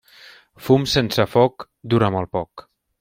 Fum sense foc dura molt poc.